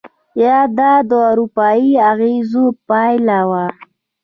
یا دا د اروپایي اغېزو پایله وه؟